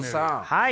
はい！